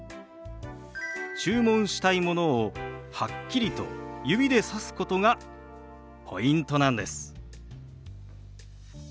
注文したいものをはっきりと指でさすことがポイントなんです。